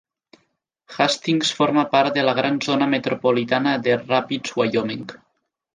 Hastings forma part de la gran zona metropolitana de Rapids-Wyoming.